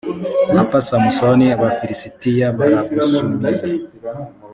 wapfa samusoni abafilisitiya baragusumiye